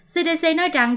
cdc nói rằng